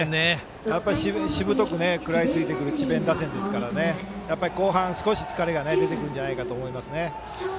しぶとく、食らいついてくる智弁打線ですから後半、少し疲れが出てくるのではないかと思います。